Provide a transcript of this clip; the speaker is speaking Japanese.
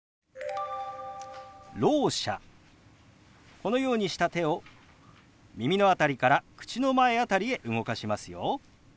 このようにした手を耳の辺りから口の前辺りへ動かしますよ。